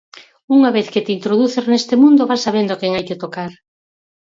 "Unha vez que te introduces neste mundo vas sabendo a quen hai que tocar."